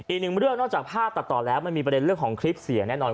อีกหนึ่งเรื่องนอกจากภาพตัดต่อแล้วมันมีประเด็นเรื่องของคลิปเสียแน่นอน